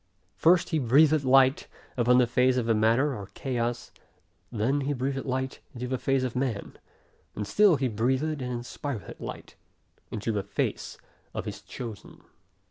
First he breathed light, upon the face of the matter or chaos; then he breathed light, into the face of man; and still he breatheth and inspireth light, into the face of his chosen.